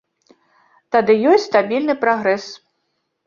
Тады ёсць стабільны прагрэс.